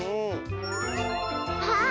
あっ。